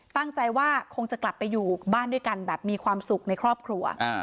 ตั้งใจว่าคงจะกลับไปอยู่บ้านด้วยกันแบบมีความสุขในครอบครัว